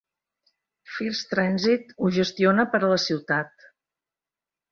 First Transit ho gestiona per a la ciutat.